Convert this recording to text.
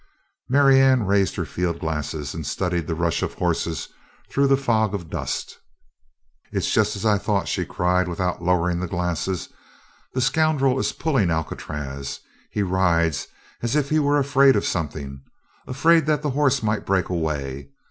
Marianne raised her field glasses and studied the rush of horses through the fog of dust. "It's just as I thought," she cried, without lowering the glasses. "The scoundrel is pulling Alcatraz! He rides as if he were afraid of something afraid that the horse might break away.